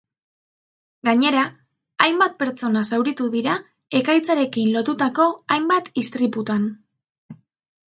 Gainera, hainbat pertsona zauritu dira ekaitzarekin lotutako hainbat istriputan.